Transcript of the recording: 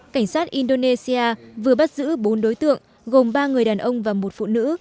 cảnh sát indonesia vừa bắt giữ bốn đối tượng gồm ba người đàn ông và một phụ nữ